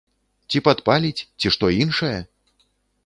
Ці падпаліць, ці што іншае?